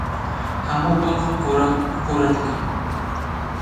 Hemû beq qurequrê dikin.